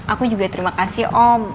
aku juga terima kasih om